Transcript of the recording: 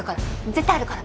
絶対あるから！